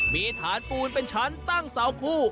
มีฐานปูนเป็นชั้นตั้งเสาคู่